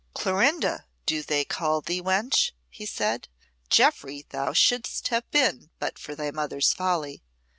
"Clorinda do they call thee, wench?" he said. "Jeoffry thou shouldst have been but for thy mother's folly.